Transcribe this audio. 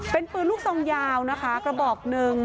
เป็นปืนลูกซองยาวนะคะกระบอกหนึ่ง